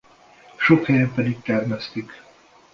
Sok helyen pedig termesztik.